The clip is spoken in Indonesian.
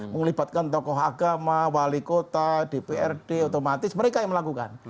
melibatkan tokoh agama wali kota dprd otomatis mereka yang melakukan